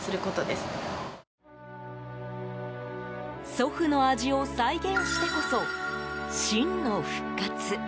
祖父の味を再現してこそ真の復活。